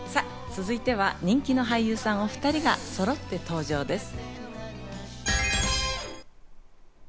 続いては人気の俳優さんお２人がそろって登場です。